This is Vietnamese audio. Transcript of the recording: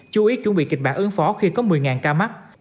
chú ý chuẩn bị kịch bản ứng phó khi có một mươi ca mắc